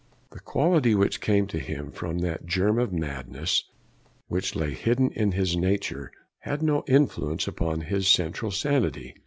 The quality which came to him from that germ of madness which lay hidden in his nature had no influence upon his central sanity.